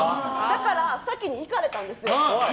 で、先に行かれたんですよ。